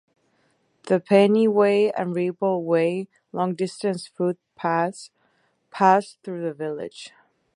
The Pennine Way and Ribble Way long-distance footpaths pass through the village.